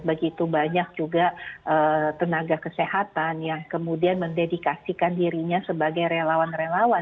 begitu banyak juga tenaga kesehatan yang kemudian mendedikasikan dirinya sebagai relawan relawan